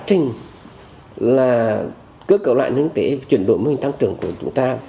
trình là cơ cấu lại kinh tế chuyển đổi mô hình tăng trưởng của chúng ta